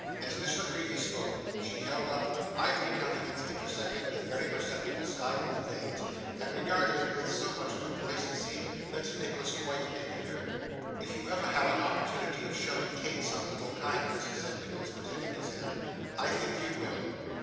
As Miss La Creevy spoke, she held up an ivory countenance intersected with very perceptible sky blue veins, and regarded it with so much complacency, that Nicholas quite envied her. 'If you ever have an opportunity of showing Kate some little kindness,' said Nicholas, presenting his hand, 'I think you will.